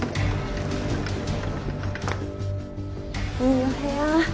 いいお部屋。